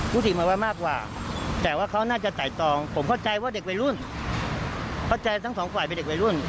ผู้หญิงมาไว้มากกว่าแต่ว่าเขาน่าจะไต่ตองผมเข้าใจว่าเด็กวัยรุ่นเข้าใจทั้งสองฝ่ายเป็นเด็กวัยรุ่น